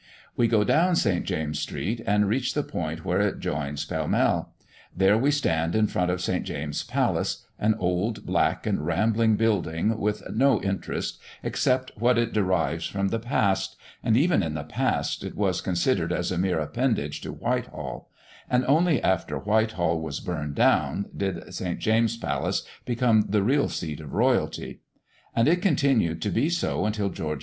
We go down St. James' Street, and reach the point where it joins Pall Mall; there we stand, in front of St. James' Palace, an old, black, and rambling building, with no interest, except what it derives from the past; and even in the past, it was considered as a mere appendage to Whitehall; and only after Whitehall was burned down, did St. James' Palace become the real seat of royalty; and it continued to be so until George IV.